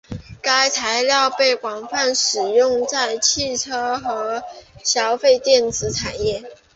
该材料被广泛使用在汽车和消费电子产业。